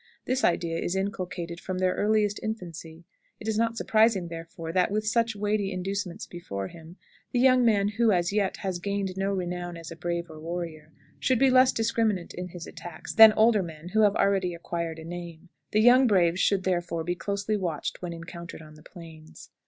This idea is inculcated from their earliest infancy. It is not surprising, therefore, that, with such weighty inducements before him, the young man who, as yet, has gained no renown as a brave or warrior, should be less discriminate in his attacks than older men who have already acquired a name. The young braves should, therefore, be closely watched when encountered on the Plains.